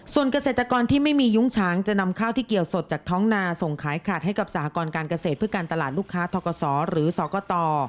ส่วนเกษตรกรที่ไม่มียุ้งช้างจะนำข้าวที่เกี่ยวสดจากท้องนาส่งขายขาดให้กับสหกรการเกษตรเพื่อการตลาดลูกค้าทกศหรือสกต